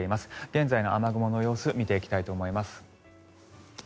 現在の雨雲の様子見ていきたいと思います。